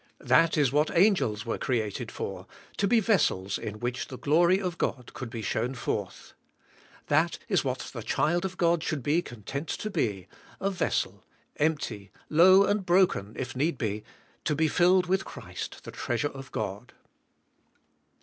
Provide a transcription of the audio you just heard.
That is what angels were created for, to be vessels in which the glory of God could be shown forth. That is what the child of God should be content to be, a vessel, empty, low and broken, if need be, to be filled with Christ, the treasure of God.